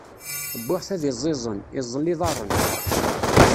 Wwiɣ-t ad iẓẓiẓen, iẓẓel iḍaṛṛen.